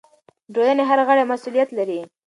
د ټولنې هر غړی مسؤلیت لري.